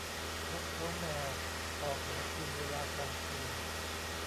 นกเค้าแมวออกหากินเวลากลางคืน